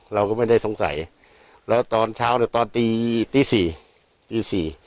เราก็ไม่ได้สงสัยแล้วตอนเช้าเนี่ยตอนตีตีสี่ตีสี่